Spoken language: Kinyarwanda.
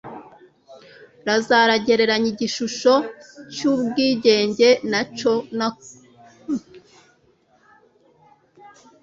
lazaro agereranya igishusho c'ubwigenge na colosus ya rode